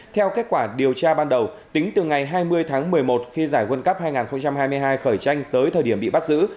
theo kết quả điều tra ban đầu tính từ ngày hai mươi tháng một mươi một khi giải world cup hai nghìn hai mươi hai khởi tranh tới thời điểm bị bắt giữ